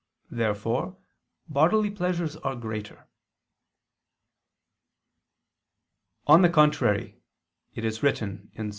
Therefore bodily pleasures are greater. On the contrary, It is written (Ps.